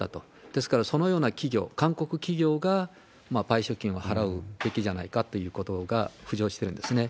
ですから、そのような企業、韓国企業が賠償金を払うべきじゃないかということが浮上しているんですね。